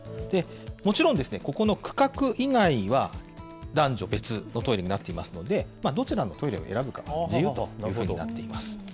もちろん、ここの区画以外は、男女別のトイレになっていますので、どちらのトイレを選ぶかは自由というふうになっています。